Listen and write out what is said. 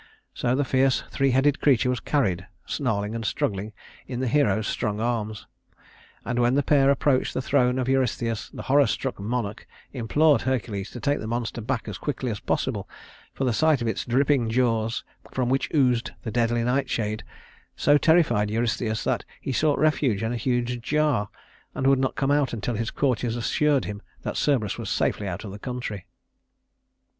So the fierce three headed creature was carried, snarling and struggling, in the hero's strong arms; and when the pair approached the throne of Eurystheus, the horror struck monarch implored Hercules to take the monster back as quickly as possible, for the sight of its dripping jaws, from which oozed the deadly nightshade, so terrified Eurystheus that he sought refuge in a huge jar, and would not come out until his courtiers assured him that Cerberus was safely out of the country.